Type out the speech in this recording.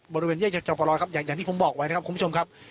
บริเวณแยกจอปลอยครับอย่างที่ผมบอกไว้นะครับคุณผู้ชมครับ